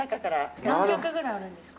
何曲ぐらいあるんですか？